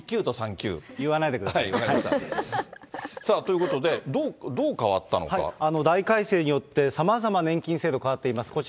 １級？言わないでください。ということで、どう変わった大改正によって、さまざま、年金制度変わっています。